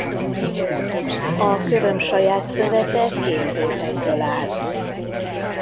A köröm saját szövete két rétegből áll.